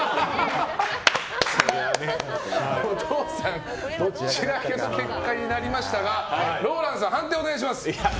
お父さんどっちらけの展開になりましたがＲＯＬＡＮＤさん判定お願いします。